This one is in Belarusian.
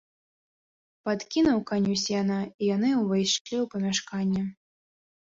Падкінуў каню сена, і яны ўвайшлі ў памяшканне.